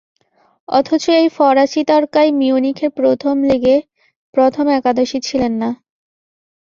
অথচ, এই ফরাসি তারকাই মিউনিখের প্রথম লেগে প্রথম একাদশে ছিলেন না।